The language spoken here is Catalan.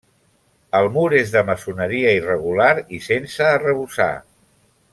El mur és de maçoneria irregular i sense arrebossar.